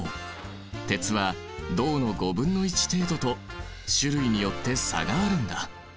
鉄は銅の５分の１程度と種類によって差があるんだ。